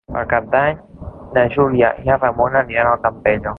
Per Cap d'Any na Júlia i na Ramona aniran al Campello.